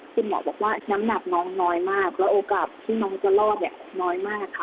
คุณหมอบอกว่าน้ำหนักน้องน้อยมากแล้วโอกาสที่น้องจะรอดเนี่ยน้อยมากค่ะ